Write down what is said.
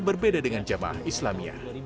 berbeda dengan jamaah islamia